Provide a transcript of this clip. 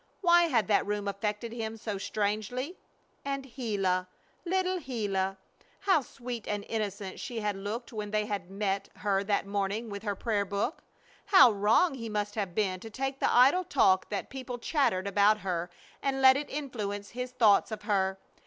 Why had that room affected him so strangely? And Gila, little Gila, how sweet and innocent she had looked when they met her that morning with her prayer book. How wrong he must have been to take the idle talk that people chattered about her and let it influence his thoughts of her.